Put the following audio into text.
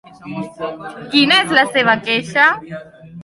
Quina és la seva queixa?